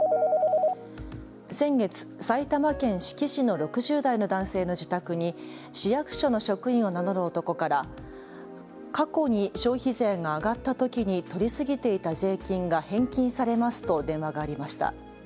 先月、埼玉県志木市の６０代の男性の自宅に市役所の職員を名乗る男から過去に消費税が上がったときに取り過ぎていた税金が返金されますと電話がありました。